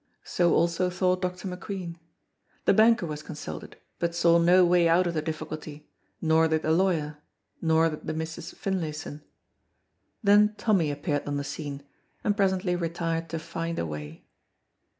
So also thought Dr. McQueen. The banker was consulted, but saw no way out of the difficulty, nor did the lawyer, nor did the Misses Finlayson. Then Tommy appeared on the scene, and presently retired to find a way.